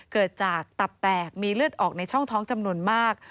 เกิดจากตับแตกมีเลือดออกในช่องท้องจำนวนมาก